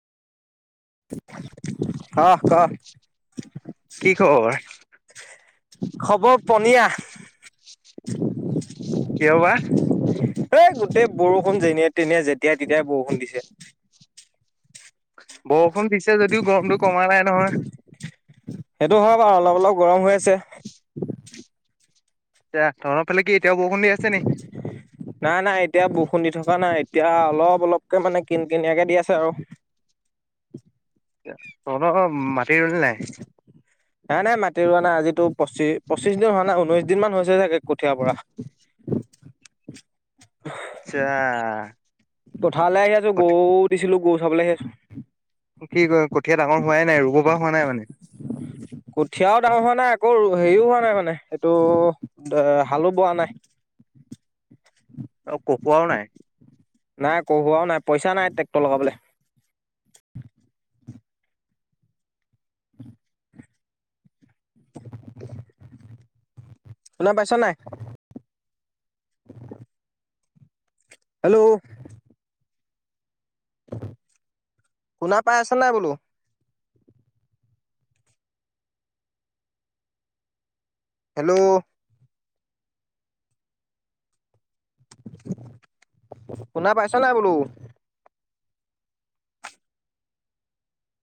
অহ', -ক? কি খবৰ? খবৰ পনীয়া। কিয় বা? এই গোটেই বৰষুণ যেনিয়ে-তেনিয়ে যেতিয়াই-তেতিয়াই বৰষুণ দিছে। বৰষুণ দিছে যদিও গৰমটো কমা নাই নহয়। সেইটো হয় বাৰু অলপ-অলপ গৰম হৈ আছে। এতিয়া তহঁতৰ ফালে কি এতিয়াও বৰষুণ দি আছে নেকি? নাই-নাই এতিয়া বৰষুণ দি থকা নাই, এতিয়া অলপ-অলপকে মানে কিন-কিনিয়াকে দি আছে আৰু। তহঁতৰ মাটি ৰুলী নাই? নাই-নাই মাটি ৰোৱা নাই, আজিতো পঁচি-পঁচিশ দিন হোৱা নাই, ঊনৈশ দিন মান হৈছে চাগে কঠীয়াৰ পৰা। [unintelligible] [inaudible] আচ্ছা। পথাৰলে আহি আহি আছো, গৰু দিছিলোঁ, গৰু চাবলে আহি আছো। কি কয় কঠীয়া ডাঙৰ হোৱাই নাই, ৰুব পৰা হোৱা নাই মানে। কঠিয়াও ডাঙৰ হোৱা নাই, আকৌ হেৰিও হোৱা নাই মানে, এইটো, হালো বোৱা নাই। আৰু কঢ়োৱাও নাই। নাই কঢ়োৱাও নাই পইচা নাই ট্ৰেকটৰ লগাবলে। [inaudible] শুনা পাইছ নাই? হেল্ল' শুনা পাই আছ নাই বোলো? হেল্ল' শুনা পাইছ নাই বোলো?